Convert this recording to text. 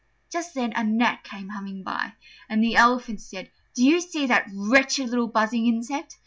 Just then a gnat came humming by, and the Elephant said, "Do you see that wretched little buzzing insect?